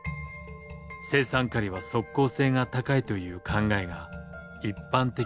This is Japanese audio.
青酸カリは即効性が高いという考えが一般的だったからだ。